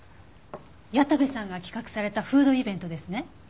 矢田部さんが企画されたフードイベントですね？